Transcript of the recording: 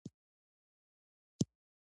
په یو بهرني هېواد خبرې وشوې.